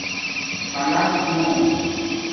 تلس مُوں